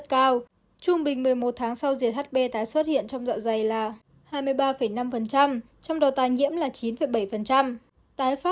trung bình một mươi một tháng sau diệt hp tái xuất hiện trong dọa dày là hai mươi ba năm trong đó tái nhiễm là chín bảy tái phát là một mươi ba tám